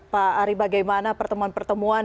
pak ari bagaimana pertemuan pertemuan